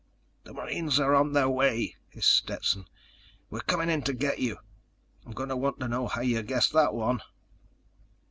"The marines are on their way," hissed Stetson. _"We're coming in to get you. I'm going to want to know how you guessed that one."